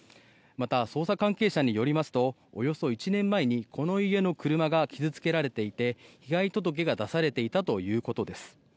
また、捜査関係者によりますとおよそ１年前にこの家の車が傷付けられていて被害届が出されていたということです。